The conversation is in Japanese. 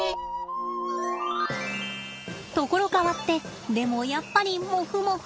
所変わってでもやっぱりモフモフ。